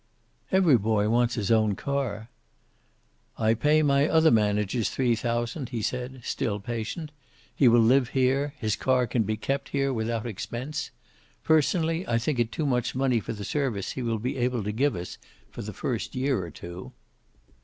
"Every boy wants his own car." "I pay my other managers three thousand," he had said, still patient. "He will live here. His car can be kept here, without expense. Personally, I think it too much money for the service he will be able to give for the first year or two."